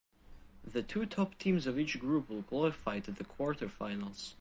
The two top teams of each group will qualify to the quarterfinals.